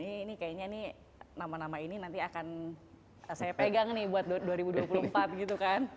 ini kayaknya nih nama nama ini nanti akan saya pegang nih buat dua ribu dua puluh empat gitu kan